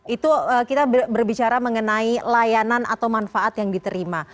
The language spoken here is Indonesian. itu kita berbicara mengenai layanan atau manfaat yang diterima